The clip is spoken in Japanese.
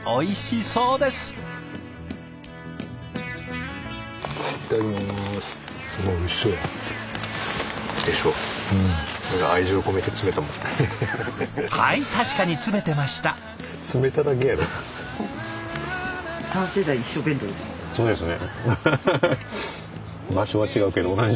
そうですね。